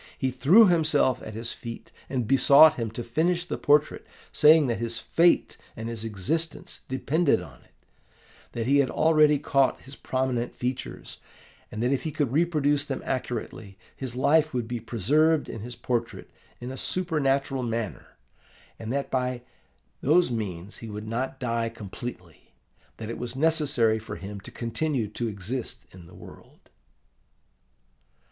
He threw himself at his feet, and besought him to finish the portrait, saying that his fate and his existence depended on it; that he had already caught his prominent features; that if he could reproduce them accurately, his life would be preserved in his portrait in a supernatural manner; that by that means he would not die completely; that it was necessary for him to continue to exist in the world.